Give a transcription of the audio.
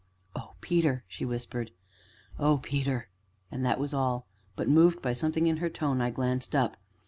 "Oh, Peter!" she whispered, "oh, Peter!" and that was all, but, moved by something in her tone, I glanced up.